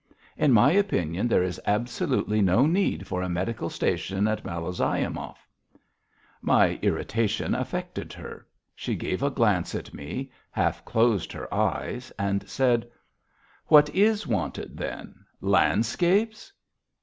"In my opinion there is absolutely no need for a medical station at Malozyomov." My irritation affected her: she gave a glance at me, half closed her eyes and said: "What is wanted then? Landscapes?"